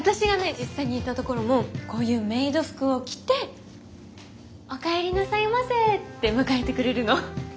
実際に行ったところもこういうメイド服を着て「おかえりなさいませ」って迎えてくれるの。